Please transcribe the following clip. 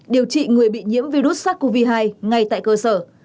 điều trị người bị nhiễm virus sars cov hai ngay tại cơ sở